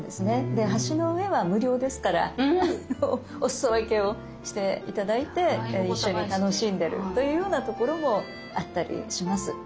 で橋の上は無料ですからお裾分けをして頂いて一緒に楽しんでるというようなところもあったりします。